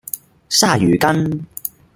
鯊魚粳